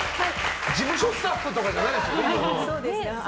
事務所スタッフとかじゃないですよね。